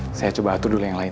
saya coba atur dulu yang lain